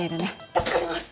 助かります